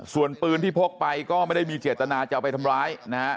ส่วนปืนที่พกไปก็ไม่ได้มีเจตนาจะเอาไปทำร้ายนะฮะ